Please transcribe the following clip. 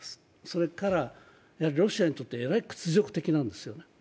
それからロシアにとってえらい屈辱的なんですよね。